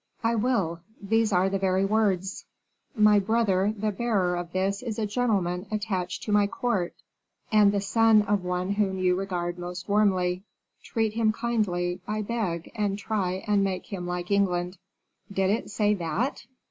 I will; these are the very words: 'My brother, the bearer of this is a gentleman attached to my court, and the son of one whom you regard most warmly. Treat him kindly, I beg, and try and make him like England.'" "Did it say that!"